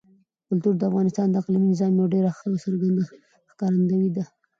کلتور د افغانستان د اقلیمي نظام یوه ډېره ښه او څرګنده ښکارندوی ده.